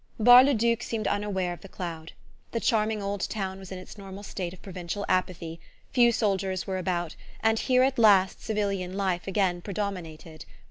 Bar le Duc seemed unaware of the cloud. The charming old town was in its normal state of provincial apathy: few soldiers were about, and here at last civilian life again predominated.